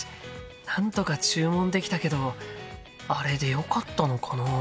なんとか注文できたけどあれでよかったのかな？